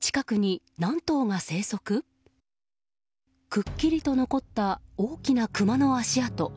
くっきりと残った大きなクマの足跡。